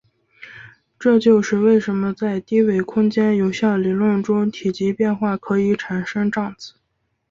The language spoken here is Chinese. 这就是为什么在低维空间有效理论中体积变化可以产生胀子。